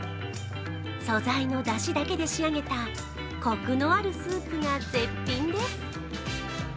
素材のだしだけで仕上げたこくのあるスープが絶品です。